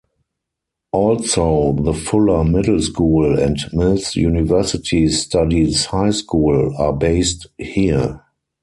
Also, the Fuller Middle School and Mills University Studies High School are based here.